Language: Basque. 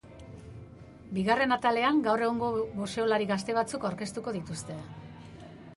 Bigarren atalean gaur egungo boxeolari gazte batzuk aurkeztuko dituzte.